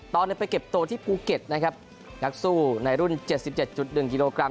ไปเก็บตัวที่ภูเก็ตนะครับนักสู้ในรุ่น๗๗๑กิโลกรัม